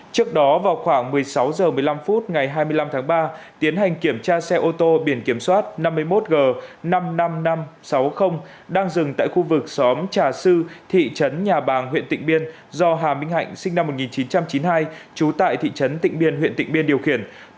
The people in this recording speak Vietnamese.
trước đó vào khoảng một mươi sáu h một mươi năm phút ngày hai mươi năm tháng ba tiến hành kiểm tra xe ô tô biển kiểm soát năm mươi một g năm mươi năm nghìn năm trăm sáu mươi đang dừng tại khu vực xóm trà sư thị trấn nhà bàng huyện tịnh biên do hà minh hạnh sinh năm một nghìn chín trăm chín mươi hai trú tại thị trấn tịnh biên huyện tịnh biên điều khiển